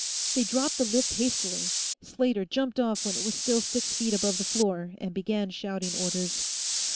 They dropped the lift hastily; Slater jumped off when it was still six feet above the floor, and began shouting orders.